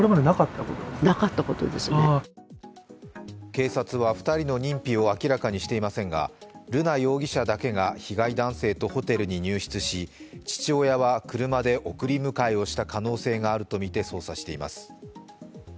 警察は２人の認否を明らかにしていませんが瑠奈容疑者だけが被害男性とホテルに入室し、父親は車で送り迎えをした可能性があるとみて捜査しています。